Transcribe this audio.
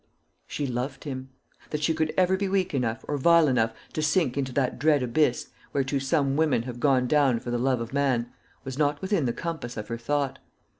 She loved him. That she could ever be weak enough, or vile enough, to sink into that dread abyss, whereto some women have gone down for the love of man, was not within the compass of her thought.